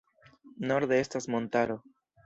Norde estas montaro.